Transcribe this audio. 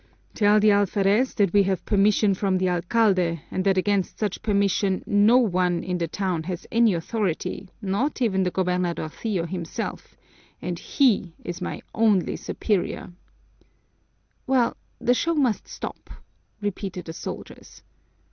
"Tell the alferez that we have permission from the alcalde and that against such permission no one in the town has any authority, not even the gobernadorcillo himself, and he is my only superior." "Well, the show must stop!" repeated the soldiers.